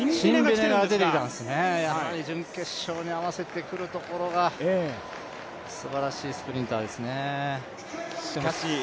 しっかり準決勝に合わせてくるところがすばらしいスプリンターですね。